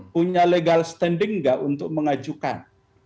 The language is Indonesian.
punya legal standing nggak untuk mengajukan